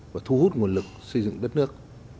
và thu hút nguồn lực xây dựng đất nước